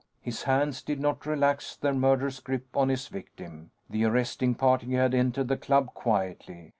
His hands did not relax their murderous grip on his victim. The arresting party had entered the club quietly.